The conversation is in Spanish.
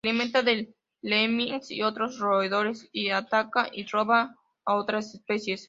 Se alimenta de lemmings y otros roedores, y ataca y roba a otras especies.